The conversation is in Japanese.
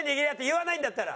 言わないんだったら。